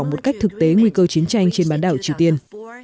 một cách thực tế nguy cơ chiến tranh trên bán đảo triều tiên